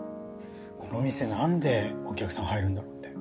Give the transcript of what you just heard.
この店なんでお客さん入るんだろうって。